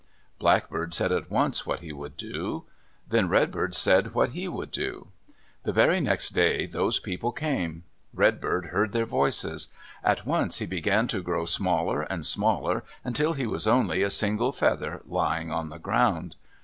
Blackbird said at once what he would do. Then Redbird said what he would do. The very next day those people came. Redbird heard their voices. At once he began to grow smaller and smaller until he was only a single feather lying on the ground.